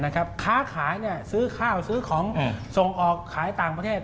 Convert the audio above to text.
ค้าขายซื้อข้าวซื้อของส่งออกขายต่างประเทศ